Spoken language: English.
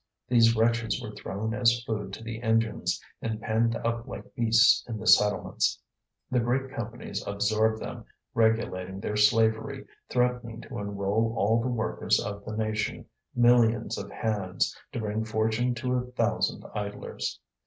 These wretches were thrown as food to the engines and penned up like beasts in the settlements. The great companies absorbed them, regulating their slavery, threatening to enrol all the workers of the nation, millions of hands, to bring fortune to a thousand idlers.